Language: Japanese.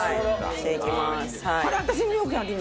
していきます。